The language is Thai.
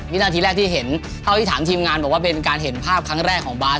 วินาทีแรกที่เห็นเท่าที่ถามทีมงานบอกว่าเป็นการเห็นภาพครั้งแรกของบาส